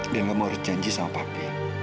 dan kamu harus janji sama papi